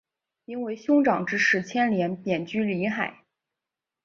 因为兄长之事牵连贬居临海。